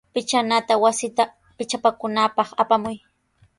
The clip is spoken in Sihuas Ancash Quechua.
Pichanata wasita pichapakunapaq apamuy.